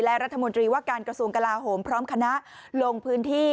และรัฐมนตรีว่าการกระทรวงกลาโหมพร้อมคณะลงพื้นที่